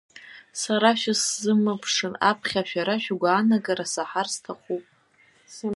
Сара шәысзымԥшын, аԥхьа шәара шәгәаанагара саҳар сҭахуп.